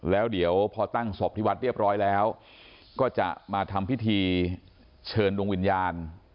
แล้วเดี๋ยวพอตั้งศพที่วัดเรียบร้อยแล้วก็จะมาทำพิธีเชิญดวงวิญญาณ